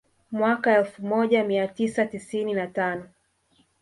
Mwaka wa elfu moja mia tisa tisini na tano